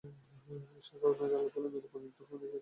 সেই ভাবনা ডালপালা মেলে পরিণত হয় অনিশ্চয়তার নীতিতে।